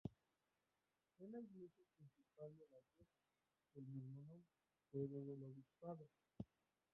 Es la Iglesia principal de la Diócesis del mismo nombre, sede del Obispado.